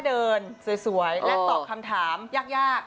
เดินสวยและตอบคำถามยาก